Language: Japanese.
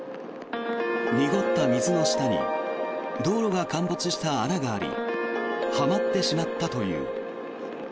濁った水の下に道路が陥没した穴がありはまってしまったという。